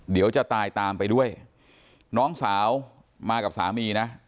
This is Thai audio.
เดี๋ยวจะตายตามไปด้วยน้องสาวมากับสามีนะ